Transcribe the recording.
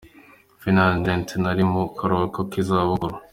Flynn ni Lt gen ari mu karuhuko k'iza bukuru.